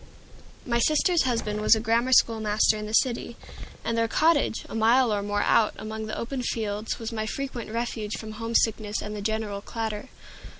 My sister's husband was a grammar school master in the city, and their cottage, a mile or more out, among the open fields, was my frequent refuge from homesickness and the general clatter.